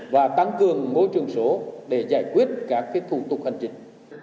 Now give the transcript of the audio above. và tăng cường mối trường số để giải quyết các thủ tục hành trình